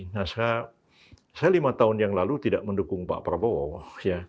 nah saya lima tahun yang lalu tidak mendukung pak prabowo